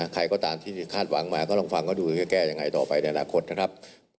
ใครก็ตามที่คาดหวังมาก็ลองฟังค่ะดูเกื้อกี่แก้อย่างไรต่อไปในหลายคนนะครับ